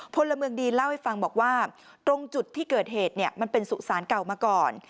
พลเมืองดีเล่าให้ฟังบอกว่าตรงจุดที่เกิดเหตุเนี่ยมันเป็นสุสานเก่ามาก่อน